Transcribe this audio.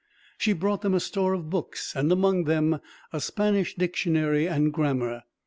She brought them a store of books, and among them a Spanish dictionary and grammar.